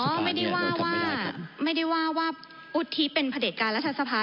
ก็ไม่ได้ว่าว่าไม่ได้ว่าว่าอุทธิเป็นพระเด็จการรัฐสภา